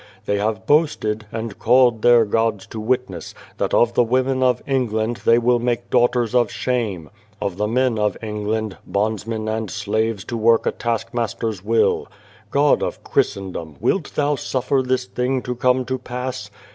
They have boasted, and called their gods to witness, that of the women of England they will make daughters of shame ; of the men of England, bondsmen and slaves to work a taskmaster's will. God of Christendom, wilt Thou suffer this thing to come to pass?